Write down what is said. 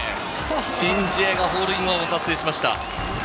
シン・ジエがホールインワンを達成しました。